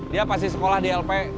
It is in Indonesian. dia pasti sekolah di lp